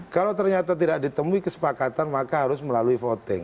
kalau ternyata tidak ditemui kesepakatan maka harus melalui voting